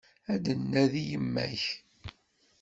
Ad d-nnadi yemma-k.